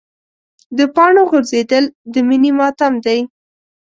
د پاڼو غورځېدل د مني ماتم دی.